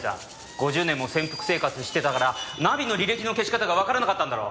５０年も潜伏生活してたからナビの履歴の消し方がわからなかったんだろう。